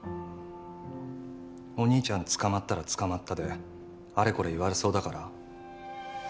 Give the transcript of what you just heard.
お兄ちゃん捕まったら捕まったであれこれ言われそうだから？